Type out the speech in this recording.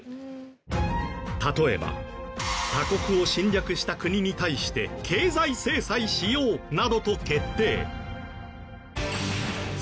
例えば他国を侵略した国に対して経済制裁しようなどと決定。